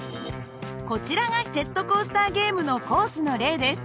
こちらがジェットコースターゲームのコースの例です。